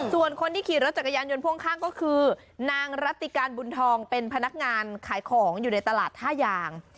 ส่วนคนที่ขี่รถจักรยานยนต์พ่วงข้างก็คือนางรัติการบุญทองเป็นพนักงานขายของอยู่ในตลาดท่ายาง